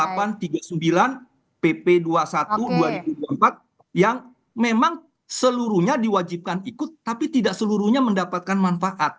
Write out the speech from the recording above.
pp dua puluh satu dua ribu dua puluh empat yang memang seluruhnya diwajibkan ikut tapi tidak seluruhnya mendapatkan manfaat